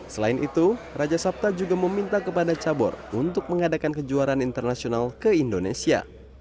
selain itu raja sabta juga meminta kepada cabur untuk mengadakan kejuaraan internasional ke indonesia